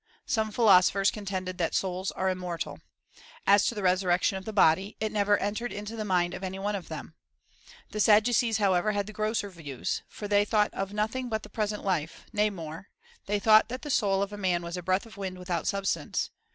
Some philosophers contended that souls are immortal. As to the resurrection of the body, it never entered into the mind of any one of them. The Sadducees, however, had grosser views ; for they thought of nothing but the present life ; nay more, they thought that the soul of man was a breath of wind without substance.